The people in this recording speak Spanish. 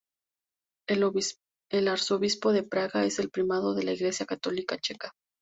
El arzobispo de Praga es el Primado de la Iglesia católica checa.